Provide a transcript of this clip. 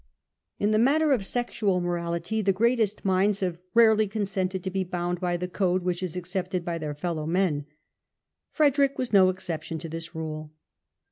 In the matter of sexual morality, the greatest minds have rarely consented to be bound by the code which is accepted by their fellow men. Frederick was no exception to this rule.